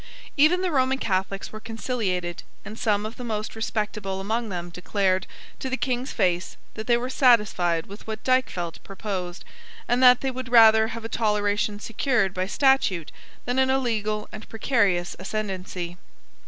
Even the Roman Catholics were conciliated; and some of the most respectable among them declared, to the King's face, that they were satisfied with what Dykvelt proposed, and that they would rather have a toleration, secured by statute, than an illegal and precarious ascendency.